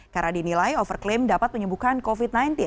karena dinilai overklaim dapat menyembuhkan covid sembilan belas